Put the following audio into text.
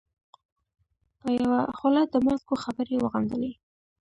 په یوه خوله د ماسکو خبرې وغندلې.